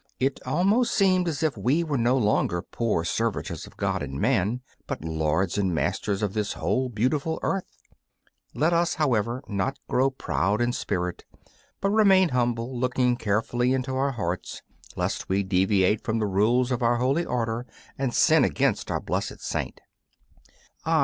It almost seemed as if we were no longer poor servitors of God and man, but lords and masters of this whole beautiful earth. Let us, however, not grow proud in spirit, but remain humble, looking carefully into our hearts lest we deviate from the rules of our holy Order and sin against our blessed Saint.